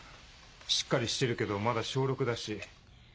しっかりしてるけどまだ小６だし。